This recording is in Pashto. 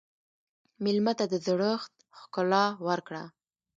مېلمه ته د زړښت ښکلا ورکړه.